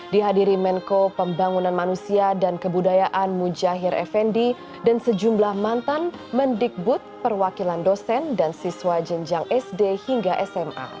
dihadiri menko pembangunan manusia dan kebudayaan mujahir effendi dan sejumlah mantan mendikbud perwakilan dosen dan siswa jenjang sd hingga sma